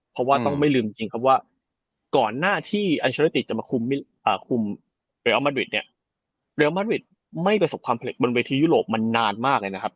เพราะว่าต้องไม่ลืมจริงครับว่าก่อนหน้าที่อัลเชอร์ติจะมาคุมเรียลมาริดเนี่ยเรียลมาริดไม่ประสบความเร็จบนเวทียุโรปมันนานมากเลยนะครับ